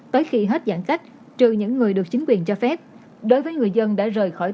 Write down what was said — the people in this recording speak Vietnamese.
tới khi hết giãn cách trừ những người được chính quyền cho phép đối với người dân đã rời khỏi